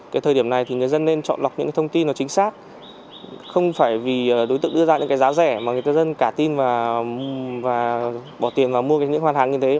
cái thời điểm này thì người dân nên chọn lọc những thông tin nó chính xác không phải vì đối tượng đưa ra những cái giá rẻ mà người dân cả tin và bỏ tiền vào mua những mặt hàng như thế